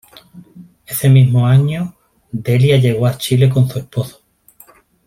Ese mismo año, Delia llegó a Chile con su esposo.